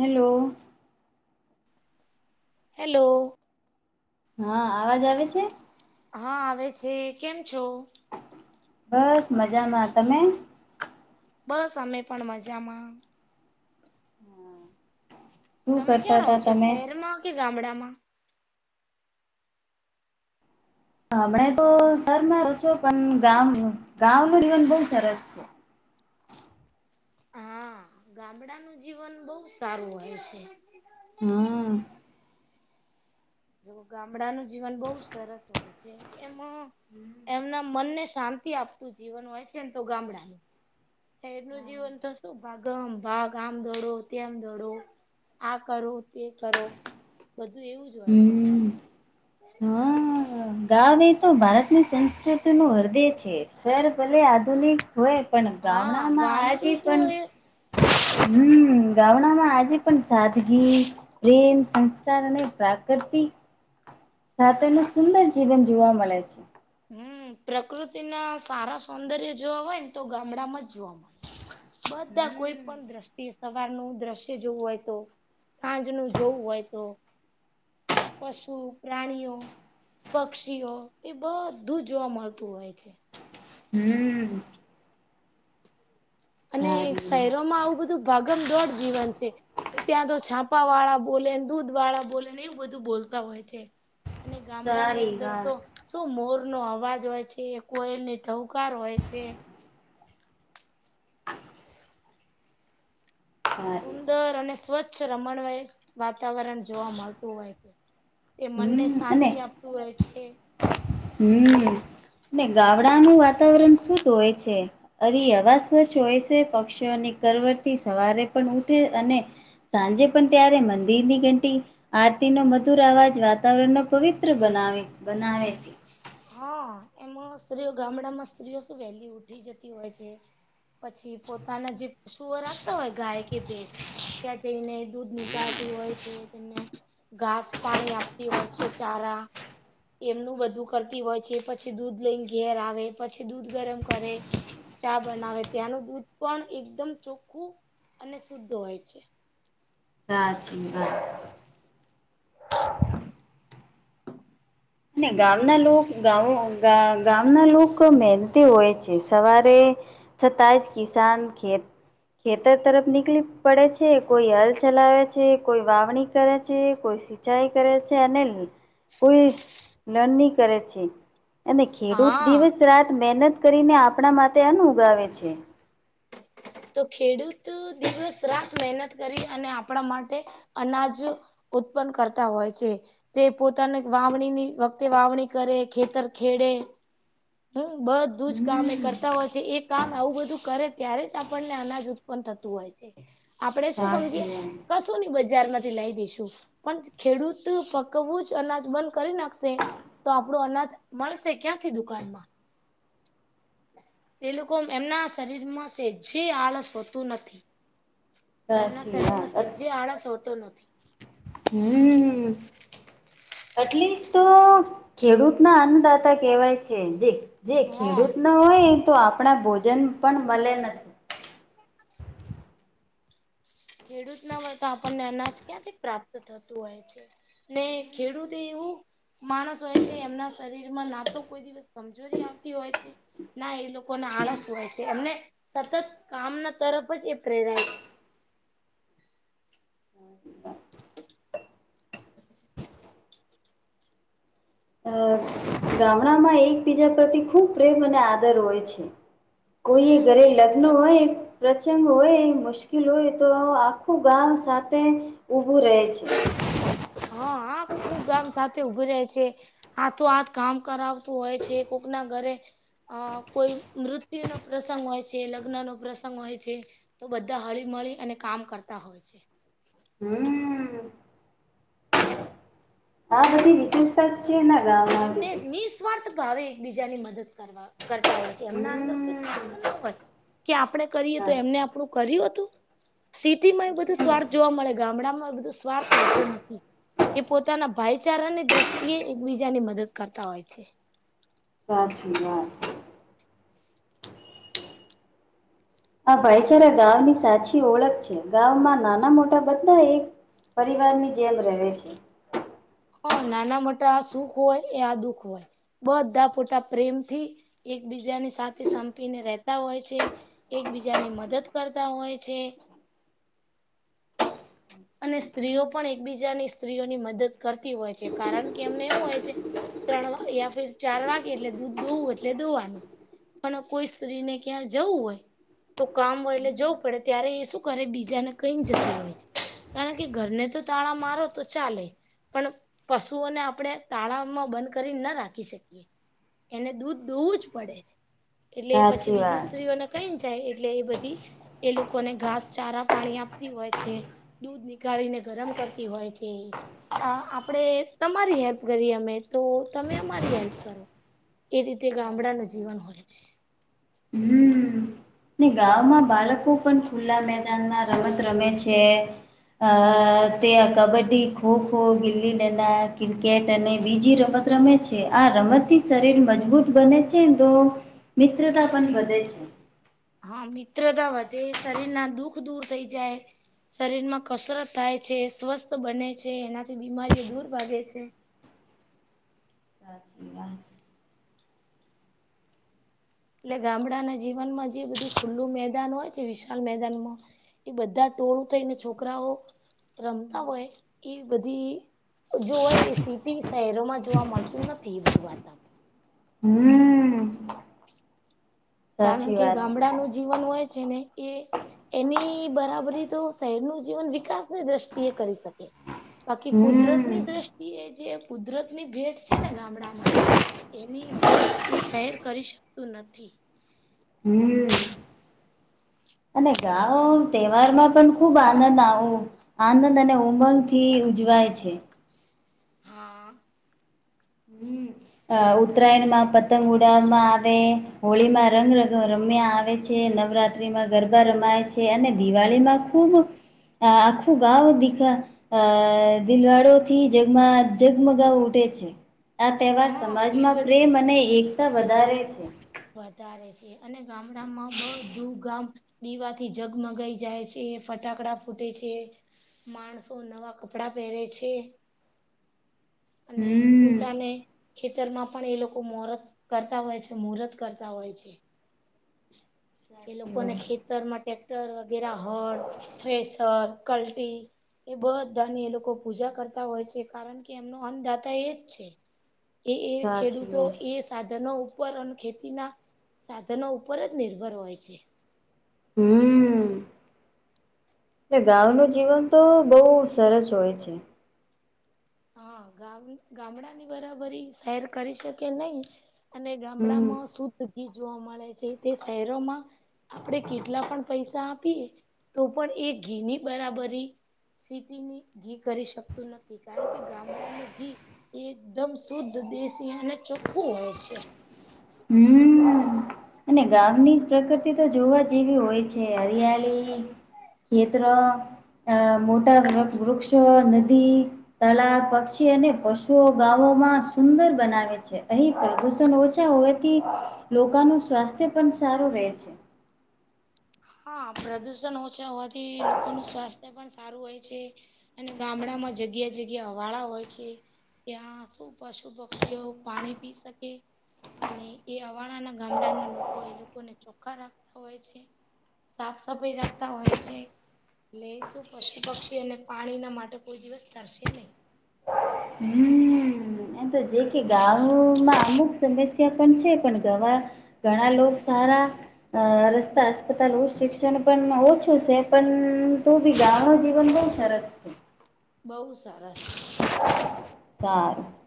Hello- - hello- - હા અવાજ આવે છે? હા આવે છે કેમ છો? બસ મજામાં તમે? બસ અમે પણ મજામાં? શું તમે કરતા ક્યાં રહો હતા છો તમે શહેરમાં કે ગામડામાં? હમણા તો સરમાં છો પણ ગામ ગામ ન જીવન બહુ સરસ છે. હા ગામડાનું જીવન બહુ સારું હોય છે. હા. જો ગામડાનું જીવન બહુ સરસ હોય છે. એમાં એમના મનને શાંતિ આપતું જીવન હોય છે ને તો ગામડાનું. શેર નું જીવન તો શું ભાગ- - ભાગમ ભાગ આમ દોડો તેમ દોડો આ કરો તે કરો- - બધું એવું જ હોય છે. હમ હા. ગાવ એ તો ભારતની સંસ્કૃતિ નું હૃદય છે, સર ભલે આધુનિક હોય પણ હા ગામડામાં આજી ગામડું તો પણ એ હમ ગામડામાં આજે પણ સાદગી પ્રેમ સંસ્કાર અને પ્રાકૃતિક સાથેનું સુંદર જીવન જોવા મળે છે હમ પ્રકૃતિ ના સારા સૌંદર્ય જોવા હોય ને તો ગામડામાં જ જોવા મળે હમ બધા કોઈ પણ દ્રષ્ટિ સવારનું દ્રશ્ય જોવું હોય તો સાંજ નું જોવું હોય તો પશુ, પ્રાણીઓ, પક્ષીઓ એ બધ ધું જોવા મળતું હોય છે. હમ્મ અને સારી શહેરોમાં આવું બધું ભાગમદોડ જીવન છે. ત્યાં તો છાપા વાળા બોલે, ને દૂધ વાળા બોલે, ને એવું બધું બોલતા હોય છે. અને ગામડા ની સારી અંદર વાત તો શું મોર નો અવાજ હોય છે, કોયલની ટહુકાર હોય છે. સારી સુંદર અને સ્વચ્છ રમણવય વાતાવરણ જોવા મળતું હોય છે. એ મનને હમ શાંતિ આપતું હોય છે. હમ્મ ને ગાવડાનું વાતાવરણ શુંદ હોય છે. અરી હવા સ્વચ્છ હોય શે, પક્ષીઓની કરવડતી સવારે પણ ઉઠે અને સાંજે પણ ત્યારે મંદિર ની ઘંટી આરતી નો મધુર અવાજ વાતાવરણ નો પવિત્ર બનાવે બનાવે છે. હા, એમાં સ્ત્રીઓ ગામડામાં સ્ત્રીઓ શું વહેલી ઉઠી જતી હોય છે. પછી પોતાના જે પશુઓ રાખતા હોય, ગાય કે ભેસ ત્યાં જઈને. દૂધ નીકાળતી હોય તે તેમને. ઘાસ પાણી આપતી હોય છે ચારા, એમનું બધું કરતી હોય છે, પછી દૂધ લઈને ઘેર આવે, પછી દૂધ ગરમ કરે. ચા બનાવે, ત્યાંનું દૂધ પણ એકદમ ચોખ્ખું અને શુદ્ધ હોય છે. સાચી વાત [inaudible] અને ગાવના લોક ગાવ ગા ગામના લોક મહેનતી હોય છે, સવારે થતાશ કિસાન ખેત ખેતર તરફ નીકલી પડે છે, કોઈ હલ ચલાવે છે, કોઈ વાવણી કરે છે, કોઈ સી સિંચાઈ કરે છે, અને કુલ નની કરે છે, અને ખેડૂત હા દિવસ રાત મહેનત કરીને આપણા માટે અન્ન ઉગાવે છે. તો ખેડૂત દિવસ રાત મહેનત કરી, અને આપણા માટે અનાજ ઉત્પન્ન કરતા હોય છે. તે પોતાને વાવણીની વખતે વાવણી કરે, ખેતર ખેડે હમ્મ બધું જ કામ એ હમ્મ કરતા હોય છે, એ કામ આવું બધું કરે ત્યારે જ આપણને અનાજ ઉત પન થતું હોય છે, આપડે શું સાચી સમજીયે વાત કસ તુ ની બજારમાંથી લાઈ દેશું, પણ ખેડૂત પકવવુંજ અનાજ બંધ કરી નાખશે તો આપડું અનાજ મળશે ક્યાંથી દુકાનમાં? એલોકો એમના શરીરમાં સેજે આળસ હોતું નથી. તેમના સાચી શરીરમાં વાત સેજેે આળસ હોતો નથી. હમ્મ એટલીસ્ટ તો ખેડૂત ના અન્નદાતા કહેવાય છે જે જે હા ખેડૂત ના હોય, તો આપણા ભોજન પણ મળે નથી. ખેડૂત ના વત તો આપણને અનાજ ક્યાંથી પ્રાપ્ત થતું હોય છે? ને ખેડૂતએ એવું માણસ હોય છે, એમના શરીરમાં ના તો કોઈ દિવસ કમજોરી આવતી હોય છે. ના એ લોકોને આળસ હોય છે, એમને સતત કામના તરફ જ એ પ્રેરાય છે. [inaudible] અ ગામડા માં એકબીજા પ્રતિ ખુબ પ્રેમ અને આદર હોય છે. કોઈ હમ એ ઘરે અને લગ્ન હોય. પ્રત્યે પ્રચંગ હોય મુશ્કેલ હોય તો આખું ગામ સાથે. ઉબું રહે છે. હા હા ખુબ ગામ સાથે ઉભું રહે છે. હા તો હાથ કામ કરાવતું હોય છે, કોક ના ઘરે અ કોઈ મૃત્યુ નો પ્રસંગ હોય છે, લગ્ન નો પ્રસંગ હોય છે. તો બધા હળી મળળી અને કામ કરતા હોય છે. હમ્મ આ બધી વિશેષ. તચી ન ગામમા એમને નિઃસ્વાર્થ ભાવે એકબીજાની મદદ કરવા. કરતા હોય છે, એમના અંદર કોઈ હમ સ્વાર્થ ના હોત કે આપડણે કરીએ તો એમને આપણું કર્યું હતું. સ્થિતટી માં એ બધું સ્વાર્થ જોવા મળે ગામડામાં એ બધું સ્વાર્થ હોતો નથી. એ પોતાના ભાઈચારાની દ્રષ્ટિએ એકબીજાની મદદ કરતા હોય છે. સાચ્રી વાત. આ ભાઈચારા ગની સાચી ઓળખ છે, ગમાં નાના મોટા બધા એક. પરિવારની જેમ રહે છે. હ, નાના મોટા આ સુખ હોય એ આ દુખ હોય. બધા ફોટા પ્રેમથી એકબીજાની સાથે સંપીને રેતા હોય છે. એકબીજાની મદદ કરતા હોય છે. અને સ્ત્રીઓ પણ એકબીજાની સ્ત્રીઓની મદદ કરતી હોય છે, કારણ કે એમને એવું હોય છે. ત્રણ યા ફર ચાર વાગે એટલે દૂધ દોવું એટલે દોવાનું. પણ કોઈ સ્ત્રીને ક્યાં જવું હોય. તો કામ વયલે જવું પડે ત્યારે એ શું કરે બીજાને કઈ જતી હોય છે. કારણ કે ઘરને તો તાણા મારો તો ચાલે પણ પશુઓને આપણે તાળાવમાં બંધ કરી ના રાખી શકીએ. એને દૂધ દોવું જ પડે છે, એટલે એ પછી સાચી બીજી વાત સ્ત્રીઓને કઈ જાય એટલે એ બધી એ લોકોને ઘાસચારા પાણી આપતી હોય છે. દૂધ નીકાળીને ગરમ કરતી હોય છે. અ આપણેે તમારી હેલ્પ કરીએ અમે તો તમે અમારી હેલ્પ કરો. એ રીતે ગામડા ન જીવન હોય છે. હમ્મ ગામમાં બાળકો પણ ખુલ્લા મેદાનમાં રમત રમે છે. અ તે્યા કબડ્ડી, ખોખો, ગીલીના, ક્રિકેટ અને બીજી રમત રમે છે. આ રમત થી શરીર મજબૂત બને છે તો મિત્રતા પણ વધે છે. હા મિત્રતા વધે શરીર ના દુઃખ દૂર થઈ જાય શરીરમાં કસરત થાય છે, સ્વસ્થ બને છે, એનાથી બીમારીઓ દૂર ભાગે છે. સાચી વાત એટલે ગામડાના જીવનમાં જે બધું ખુલ્લું મેદાન હોય છે, વિશાાલ મેદાનમા એ બધા ટોળું થઈને છોકરાઓ રમતા હોય એ બધી. જોવાય એ સીટી શહેરોમાં જોવા મળતું નથી એ બધું વાતાવરણ હમ્મ કારણ સાચી કે વાત ગામડાનું જીવન હોય છે. ને એ એની બરાબરી તો શહેરનું જીવન વિકાસની દ્રષ્ટિએ કરી શકે બાકી કુદરત હમ ની દ્રષ્ટિ એ જે કુદરતની ભેટ છે ને ગામડામાં. એની હોડ એ શહેર કરી શકતું નથી. હમ અને તો એ ગઉ કરી શકતું તહેવાર માં પ ખુબ આનંદ આવ આનંદ અને ઉમંગ થી ઉજવાય છે. હા હ ઉત્તરાયણમાં પ પતંગ ઉડાવવામાં આવે હોળીમાં રંગ રમ્યા આવે છે નવરાત્રીમાં ગરબા રમાય છે. છે, અને દિવાળીમાં ખુબ આખું ગાવ દીખા અ દિલવાડો થી જગમાં જગમગાવ ઉઠે છે આ તહેવાર હા એ સમાજમાં બધું પ્રેમ અને એકતા વધારે છે વધારે છે અને ગામડામાં બધું ગામ દીવા થી જગમગાઈ જાય છે ફટાકડા ફૂટે છે માણસો નવા કપડા પહેરે છે અને હમ પોતાને ખેતરમાં પણ એ લોકો મુરત કરતા હોય છે મુહૂર્ત કરતા હોય છે એ લોકોને ખેત તરમાં ટટેક્ટર વગેરે હળ ફસર કલટી એ બધાની એ લોકો પૂજા કરતા હોય છે કારણ કે એમનો અન્નદાતા એ જ છે એ એ સાચી ખેડૂતો વાત એ સાધનો ઉપર અને ખેતીના સાધનો ઉપર જ નિર્ભર હોય છે હમ એટલે ગઉ ન જીવન તો બહુ સરસ હોય છે હા ગામ ગામડાની બરાબરી શહેર કરી શકે નહી અને હમ. ગામડામાં શુદ્ધ ઘી જોવા મળે છે તે શહેરોમાં આપણે કેટલા પણ પૈસા આપીએ તો પણ એ ઘીની બરાબરી સીટીની ઘી કરી શકતું નથી કારણ કે ગામડાનું ઘી એકદમ શુદ્ધ દેશી અને ચોખ્ખું હોય છે હમ અને ગામની જ પ્રકૃતિ તો જોવા જેવી હોય છે હરિયાળી ખેતરો મોટા વૃક્ષો નદી તળા પક્ષી અને પશુઓ ગામોમાં સુંદર બનાવે છે અહી પ્રદુષણ ઓછા હોય થી લોકોનું સ્વાસ્થ્ય પણ સારું રહે છે હા પ્રદુષણ ઓછા હોવાથી લોકોનું સ્વાસ્થ્ય પણ સારું હોય છે અને ગામડામાં જગ્યા જગ્યા વાળા હોય છે ત્યાં શું પશુ પક્ષીઓ પાણી પી શકે અને એ અવાણાના ગામડાના લોકો એ લોકોને ચોખ્ખા રાખતા હોય છે સાફ સફાઈ રાખતા હોય છે ને શું પશુ પક્ષી અને પાણીના માટે કોઈ દિવસ તરશે નહીં હમ એ તો જે કે ગામમાં અમુક સમસ્યા પણ છે પણ ગવા ઘણા લોકો સારા અ રસ્તા અસ્પતાલ શિક્ષણ પણ ઓછું છે પણ તું બી ગા ન જીવન બ શરત બહુ સરસ છે સારું